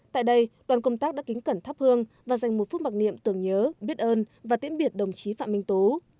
tại đây đoàn công tác đã kính cẩn tháp hương và dành một phút mặc niệm tưởng nhớ biết ơn và tiễn biệt đồng chí phạm minh tố